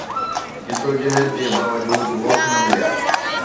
جدوجهد جي باوجود ووٽ نه مليا